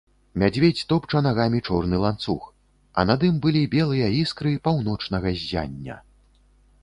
Мядзведзь топча нагамі чорны ланцуг, а над ім былі белыя іскры паўночнага ззяння.